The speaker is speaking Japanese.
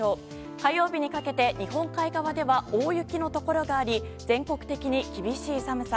火曜日にかけて日本海側では大雪のところがあり全国的に厳しい寒さ。